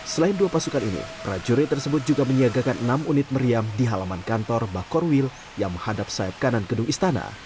selain dua pasukan ini prajurit tersebut juga menyiagakan enam unit meriam di halaman kantor bakorwil yang menghadap sayap kanan gedung istana